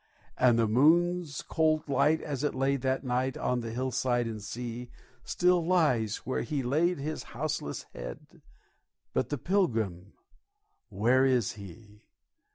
And the moon's cold light, as it lay that night On the hillside and the sea, Still lies where he laid his houseless head, But the Pilgrim! where is he?